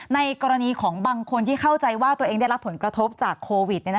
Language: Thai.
ในกรณีของบางคนที่เข้าใจว่าตัวเองได้รับผลกระทบจากโควิด